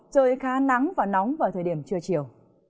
trời khá nắng và nóng vào thời điểm trưa chiều